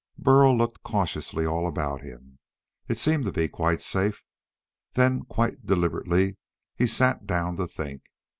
Burl looked cautiously all about him. It seemed to be quite safe. Then, quite deliberately, he sat down to think.